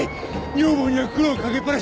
女房には苦労掛けっぱなし。